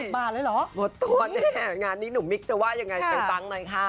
๕๐บาทเลยเหรอหมดตุ้นวันนี้งานนี้หนุ่มมิคจะว่ายังไงเป็นตังค์หน่อยค่ะ